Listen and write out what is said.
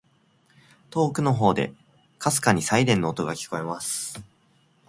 •遠くの方で、微かにサイレンの音が聞こえます。